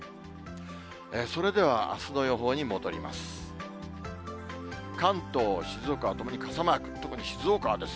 それではあすの予報に戻ります。